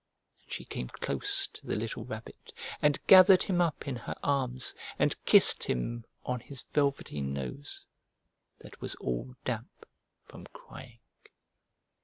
And she came close to the little Rabbit and gathered him up in her arms and kissed him on his velveteen nose that was all damp from crying.